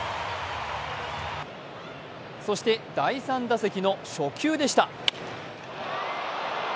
そして第３打席の初球でした。